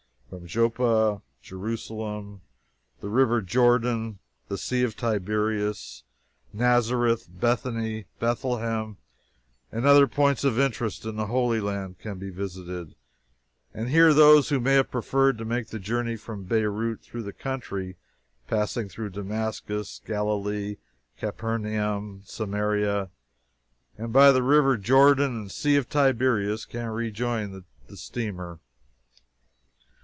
From Joppa, Jerusalem, the River Jordan, the Sea of Tiberias, Nazareth, Bethany, Bethlehem, and other points of interest in the Holy Land can be visited, and here those who may have preferred to make the journey from Beirut through the country, passing through Damascus, Galilee, Capernaum, Samaria, and by the River Jordan and Sea of Tiberias, can rejoin the steamer.